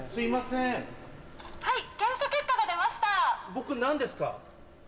僕何ですか？